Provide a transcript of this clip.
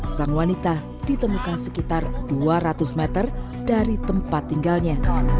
sang wanita ditemukan sekitar dua ratus meter dari tempat tinggalnya